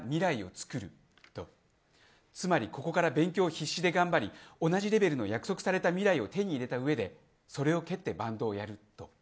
つまりここから勉強を必死で頑張り同じレベルの約束された未来を手に入れた上でそれを蹴ってバンドをやると。